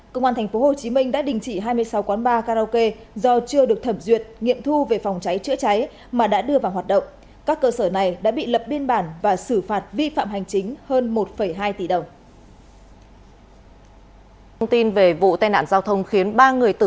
công an tp hcm đã đình chỉ hai mươi sáu quán bar karaoke do chưa được thẩm duyệt nghiệm thu về phòng cháy chữa cháy mà đã đưa vào hoạt động các cơ sở này đã bị lập biên bản và xử phạt vi phạm hành chính hơn một hai tỷ đồng